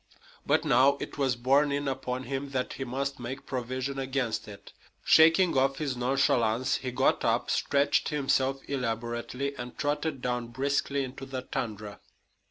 But now it was borne in upon him that he must make provision against it. Shaking off his nonchalance, he got up, stretched himself elaborately, and trotted down briskly into the tundra.